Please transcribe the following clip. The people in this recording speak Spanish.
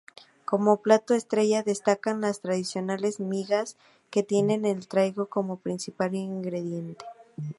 Como plato estrella destacan las tradicionales migas que tienen el trigo como principal ingrediente.